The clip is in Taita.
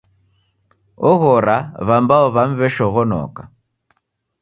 Oghora w'ambao w'amu w'eshoghonoka.